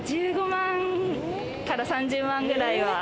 １５万から３０万くらいは。